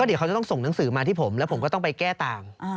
เดี๋ยวเขาจะต้องส่งหนังสือมาที่ผมแล้วผมก็ต้องไปแก้ตาม